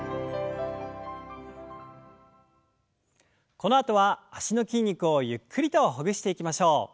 このあとは脚の筋肉をゆっくりとほぐしていきましょう。